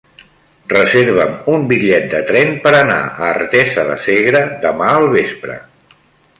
Reserva'm un bitllet de tren per anar a Artesa de Segre demà al vespre.